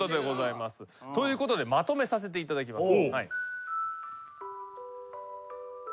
ということでまとめさせていただきます。